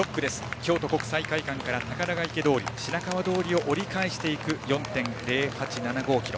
京都国際会館から宝ヶ池通、白川通を折り返す４．０８７５ｋｍ。